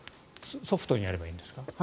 ソフトにやればいいですか？